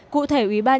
cụ thể ubnd